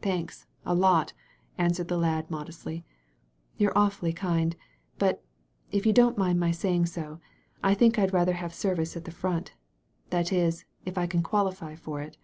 "Thanks, a lot," answered the lad modestly. You*re awfully kind. But, if you don't mind my saying so, I think I'd rather have service at the front — ^that is, if I can qualify for it."